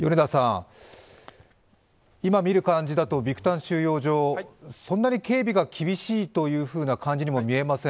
今見る感じだとビクタン収容所、そんなに警備が厳しい感じにも見えません。